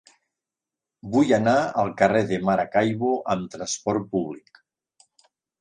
Vull anar al carrer de Maracaibo amb trasport públic.